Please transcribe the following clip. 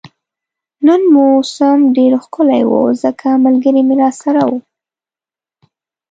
نن موسم ډیر ښکلی وو ځکه ملګري مې راسره وو